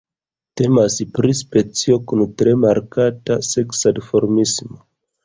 Temas pri specio kun tre markata seksa duformismo.